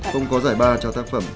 không có giải ba cho tác phẩm